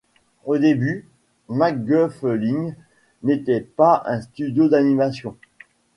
Au début, Mac Guff Ligne n'était pas un studio d'animation.